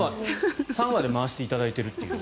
３羽で回していただいているという。